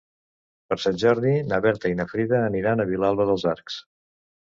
Per Sant Jordi na Berta i na Frida aniran a Vilalba dels Arcs.